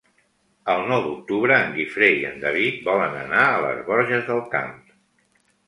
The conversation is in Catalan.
El nou d'octubre en Guifré i en David volen anar a les Borges del Camp.